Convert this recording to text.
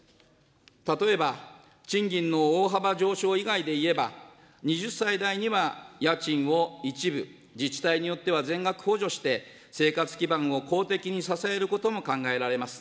例えば、賃金の大幅上昇以外でいえば、２０歳代には、家賃を一部、自治体によっては全額補助して、生活基盤を公的に支えることも考えられます。